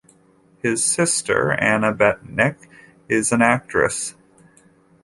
His sister Anna Bentinck is an actress.